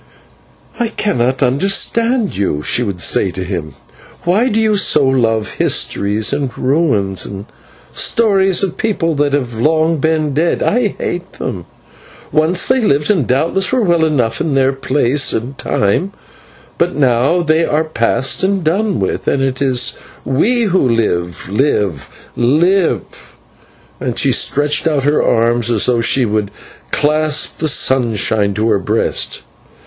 "I cannot understand you," she would say to him; "why do you so love histories and ruins and stories of people that have long been dead? I hate them. Once they lived, and doubtless were well enough in their place and time, but now they are past and done with, and it is we who live, live, live!" and she stretched out her arms as though she would clasp the sunshine to her breast.